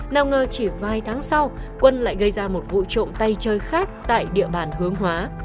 nào ngờ chỉ vài tháng sau quân lại gây ra một vụ trộm tay chơi khác tại địa bàn hướng hóa